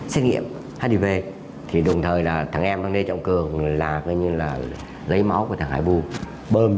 xét nghiệm hiv thì đồng thời là thằng em lê trọng cường là coi như là lấy máu của thằng hải bu bơm